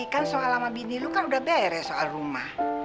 kan soal sama bini lu kan udah beres soal rumah